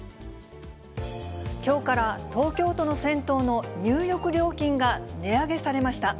きょうから東京都の銭湯の入浴料金が値上げされました。